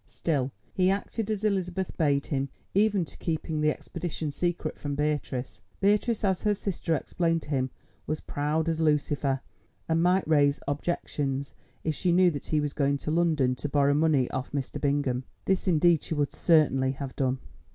Still he acted as Elizabeth bade him, even to keeping the expedition secret from Beatrice. Beatrice, as her sister explained to him, was proud as Lucifer, and might raise objections if she knew that he was going to London to borrow money of Mr. Bingham. This indeed she would certainly have done.